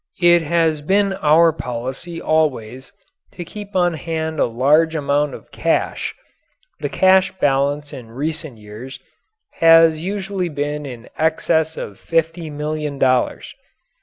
It has been our policy always to keep on hand a large amount of cash the cash balance in recent years has usually been in excess of fifty million dollars.